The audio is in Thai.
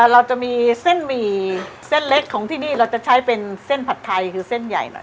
เราจะมีเส้นหมี่เส้นเล็กของที่นี่เราจะใช้เป็นเส้นผัดไทยคือเส้นใหญ่หน่อย